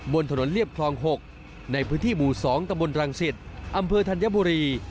บนถนนเรียบคลอง๖ในพื้นที่หมู่๒ตะบนรังสิตอำเภอธัญบุรี